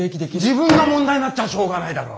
自分が問題になっちゃしょうがないだろ！